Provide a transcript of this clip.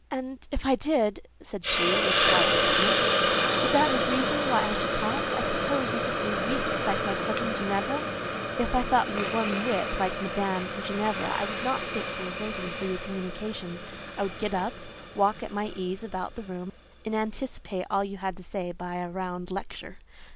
"And if I did," said she, with slight quickness, "is that a reason why I should talk? I suppose you think me weak, like my cousin Ginevra?" "If I thought you one whit like Madame Ginevra, I would not sit here waiting for your communications. I would get up, walk at my ease about the room, and anticipate all you had to say by a round lecture.